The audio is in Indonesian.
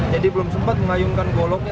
jadi belum sempat mengayunkan goloknya